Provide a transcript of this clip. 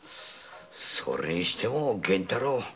それにしても源太郎。